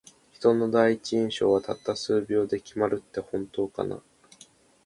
人の第一印象は、たった数秒で決まるって本当かな。